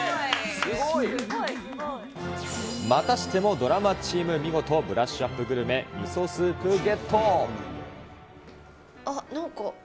すごい。またしてもドラマチーム、見事、ブラッシュアップグルメ、ミソスあっ、なんか、